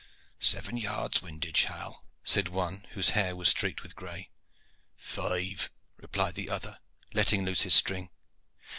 "Seven yards windage, Hal," said one, whose hair was streaked with gray. "Five," replied the other, letting loose his string.